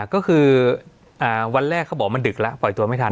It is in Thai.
ก็คือวันแรกเขาบอกว่ามันดึกแล้วปล่อยตัวไม่ทัน